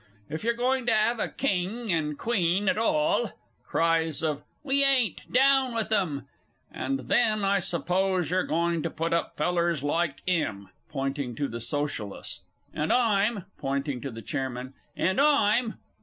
"_) If you're going to 'ave a King and Queen at all (Cries of "We ain't! Down with 'em!") Ah, then I s'pose you're going to put up fellers like 'im (pointing to the Socialist), and 'im (pointing to Chairman), and 'im!